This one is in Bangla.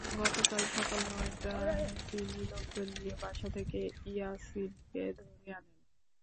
গতকাল সকাল নয়টায় তিনি লোকজন দিয়ে বাসা থেকে ইয়াছিনকে ধরে আনেন।